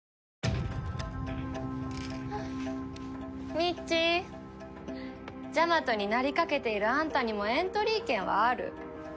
ミッチージャマトになりかけているあんたにもエントリー権はある。